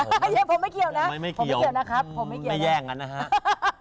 ผมไม่เกี่ยวนะไม่แย่งกันนะครับ